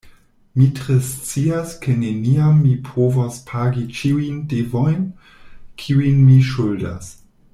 Mi tre scias, ke neniam mi povos pagi ĉiujn devojn, kiujn mi ŝuldas.